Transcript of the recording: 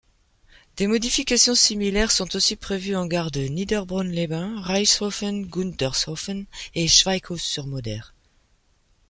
Des modifications similaires sont aussi prévues en gares de Niederbronn-les-Bains, Reichshoffen, Gundershoffen et Schweighouse-sur-Moder.